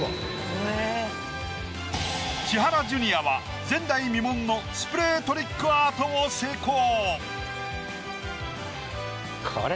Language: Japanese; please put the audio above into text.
千原ジュニアは前代未聞のスプレートリックアートを成功。